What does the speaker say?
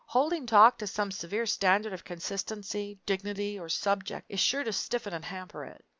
Holding talk to some severe standard of consistency, dignity, or subject is sure to stiffen and hamper it.